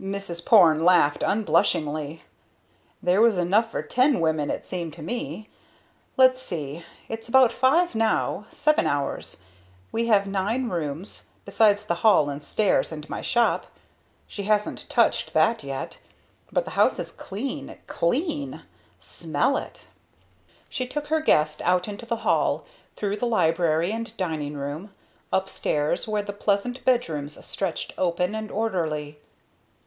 Mrs. Porne laughed unblushingly. "There was enough for ten women it seemed to me! Let's see it's about five now seven hours. We have nine rooms, besides the halls and stairs, and my shop. She hasn't touched that yet. But the house is clean clean! Smell it!" She took her guest out into the hall, through the library and dining room, upstairs where the pleasant bedrooms stretched open and orderly.